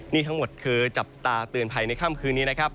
นี่ทั้งหมดคือจับตาเตือนภัยในค่ำคืนนี้นะครับ